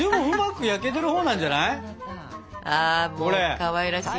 かわいらしいな。